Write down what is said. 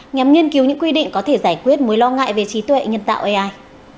nhằm nghiên cứu những quy định có thể giải quyết mối lo ngại về trí tuệ nhân tạo ai